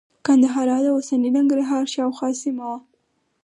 ګندهارا د اوسني ننګرهار شاوخوا سیمه وه